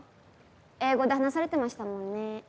英語で話されてましたもんね。